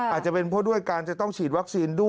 อาจจะเป็นเพราะด้วยการจะต้องฉีดวัคซีนด้วย